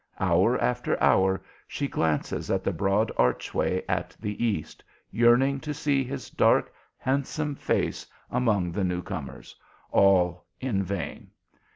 Hour after hour she glances at the broad archway at the east, yearning to see his dark, handsome face among the new comers, all in vain.